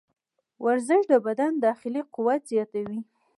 ورزش د بدن داخلي قوت زیاتوي.